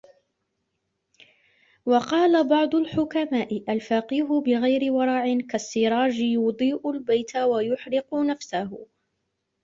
وَقَالَ بَعْضُ الْحُكَمَاءِ الْفَقِيهُ بِغَيْرِ وَرَعٍ كَالسِّرَاجِ يُضِيءُ الْبَيْتَ وَيُحْرِقُ نَفْسَهُ